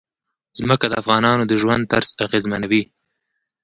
ځمکه د افغانانو د ژوند طرز اغېزمنوي.